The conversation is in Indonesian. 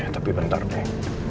tapi bentar deh